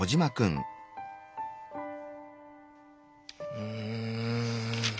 うん。